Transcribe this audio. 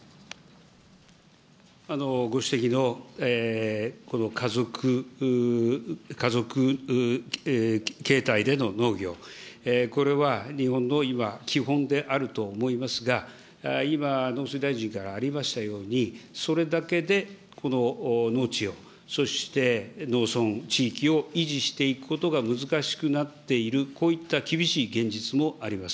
ご指摘のこの家族経営体での農業、これは、日本の今、基本であると思いますが、今、農水大臣からありましたように、それだけでこの農地を、そして、農村地域を維持していくことが難しくなっている、こういった厳しい現実もあります。